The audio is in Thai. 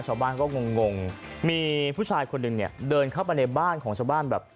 ชาวบ้านก็งงงมีผู้ชายคนหนึ่งเนี่ยเดินเข้าไปในบ้านของชาวบ้านแบบ